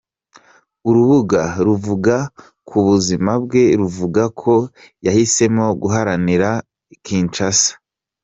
Urubuga ruvuga ku buzima bwe ruvuga ko yahisemo guhagararira Kinshasa.